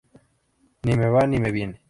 Ni me va ni me viene